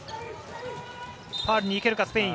ファウルに行けるかスペイン。